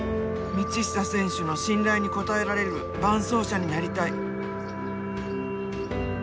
道下選手の信頼に応えられる伴走者になりたい。